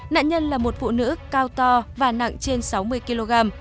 nạn nhân là một phụ nữ cao to và nặng trên sáu mươi kg